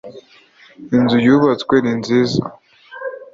inzu yubatse ni nziza